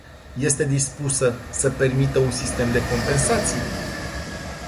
Este dispusă să permită un sistem de compensații?